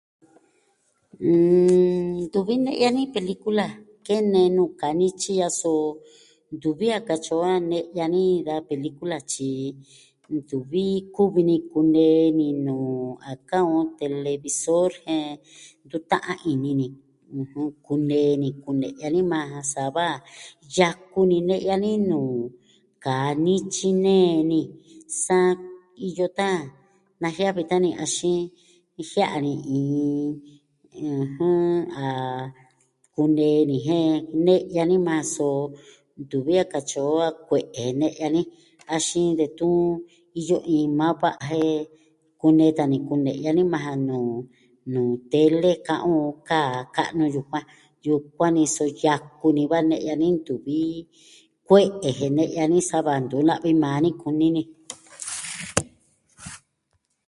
Ntuvi ne'ya ni pelikula kene nuu kaa nityi ya'a. So... ntuvi a katyi o a ne'ya ni da pelikula, tyi ntuvi kuvi ni kunee ni nuu a ka'an on televisor. Jen, ntu ta'an ini ni. ɨjɨn, kunee ni kune'ya ni maa ja. Sa va, yaku ni ne'ya ni nuu kaa nityi nee ni. Sa iyo taan, najiavi tan ni, axin jia'a ni iin, ɨjɨn ah... Kunee ni jen kune'ya ni maa. So, ntuvi a katyi o a kue'e ne'ya ni. Axin detun, iyo iin mapa jen kunee tan ni kune'ya ni majan nuu... nuu tele, ka'an on kaa ka'nu yukuan. Yukuan ni su yaku ni va ne'ya ni, ntuvi... kue'e jen ne'ya ni sava ntu na'vi maa ni kuni ni.